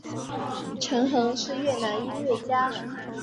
陈桓是越南音乐家。